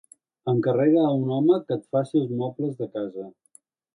Encarrega a un home que et faci els mobles de casa.